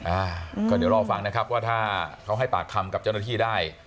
อ่าก็เดี๋ยวรอฟังนะครับว่าถ้าเขาให้ปากคำกับเจ้าหน้าที่ได้